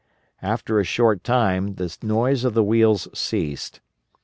After a short time the noise of the wheels ceased.